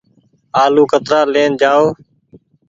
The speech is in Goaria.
آلو ڪترآ لين جآئو۔